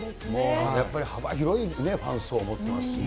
やっぱり幅広いファン層を持ってますしね。